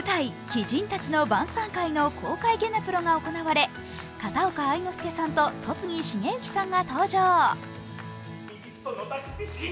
「奇人たちの晩餐会」の公開ゲネプロが行われ、片岡愛之助さんと戸次重幸さんが登場。